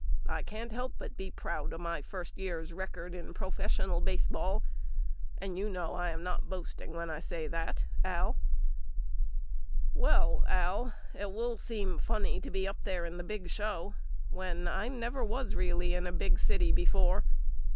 I can't help but be proud of my first year's record in professional baseball and you know I am not boasting when I say that AL Well Al it will seem funny to be up there in the big show when I never was really in a big city before.